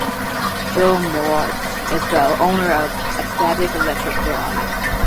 Joel Morowitz is the owner of Ecstatic Electric pro audio.